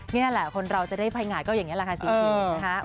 นี่แหละคนเราจะได้ภายงานก็อย่างนี้แหละค่ะสีผิว